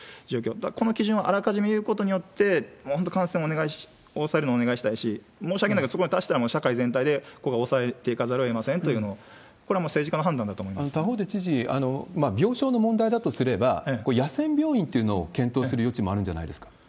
だからこの基準をあらかじめいうことによって、本当に感染を抑えるのをお願いしたいし、申し訳ないけど、そこに達したら社会全体でそこを抑えていかなきゃいけないという、これ他方で知事、病床の問題だとすれば、野戦病院っていうのを検討する余地もあるんじゃないです